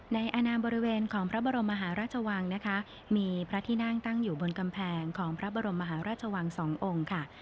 ในอนามบริเวณของพระบรมมหาราชวังนะคะมีพระที่นั่งตั้งอยู่บนกำแพงของพระบรมมหาราชวังสององค์ค่ะ